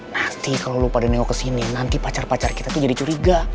nanti kalo lo pada nengok kesini nanti pacar pacar kita tuh jadi curiga